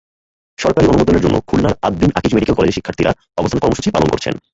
সরকারি অনুমোদনের জন্য খুলনার আদ-দ্বীন আকিজ মেডিকেল কলেজের শিক্ষার্থীরা অবস্থান কর্মসূচি পালন করছেন।